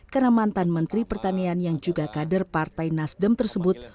karena mantan menteri pertanian yang juga kader partai nasdem tersebut